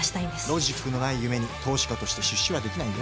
ロジックのない夢に投資家として出資はできないよ。